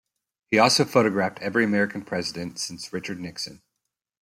He has also photographed every American president since Richard Nixon.